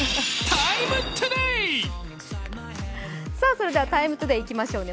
それでは「ＴＩＭＥ，ＴＯＤＡＹ」いきましょうね。